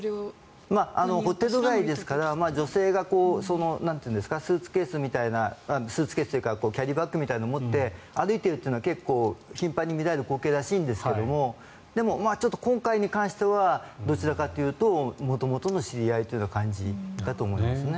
ホテル街ですから女性がスーツケースというかキャリーバッグみたいなのを持って歩いているのは結構、頻繁に見られる光景らしいんですがでも、今回に関してはどちらかというと元々の知り合いという感じかと思いますね。